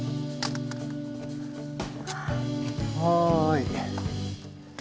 はい。